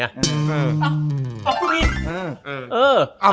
ตอบผิด